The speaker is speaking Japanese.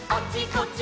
こっち！